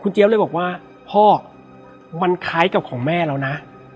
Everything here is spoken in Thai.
คุณเจ๊บเลยบอกว่าพ่อมันคล้ายกับของแม่แล้วนะ